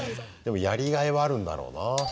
でもやりがいはあるんだろうなぁ